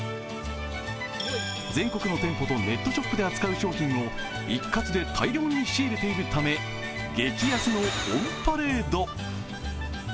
全国の店舗とネットショップで扱う商品を一括で大量に仕入れているため、激安のオンパレード。